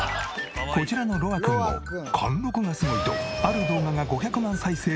こちらのロアくんの貫禄がすごいとある動画が５００万再生の大バズり！